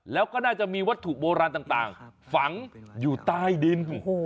แล้วก็น่าจะมีวัตถุโบราณต่างฝังอยู่ใต้ดิน